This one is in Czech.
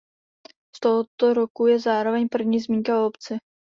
Z tohoto roku je zároveň první zmínka o obci.